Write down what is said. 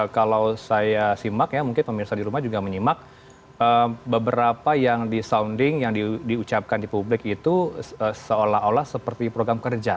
kalau saya simak ya mungkin pemirsa di rumah juga menyimak beberapa yang disounding yang diucapkan di publik itu seolah olah seperti program kerja